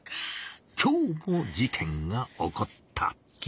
今日も事件が起こった。